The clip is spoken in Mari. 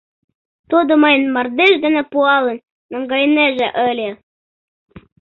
Тудо мыйым мардеж дене пуалын наҥгайынеже ыле.